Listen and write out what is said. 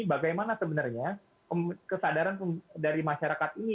bagaimana sebenarnya kesadaran dari masyarakat ini